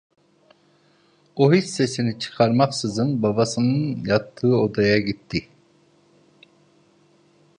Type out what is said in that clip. O hiç sesini çıkarmaksızın babasının yattığı odaya gitti.